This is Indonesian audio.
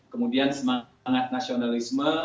kemudian semangat nasionalisme